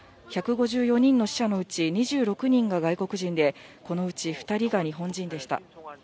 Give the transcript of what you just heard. １５４人の死者のうち２６人が外国人でこのうち２人が日本人でした。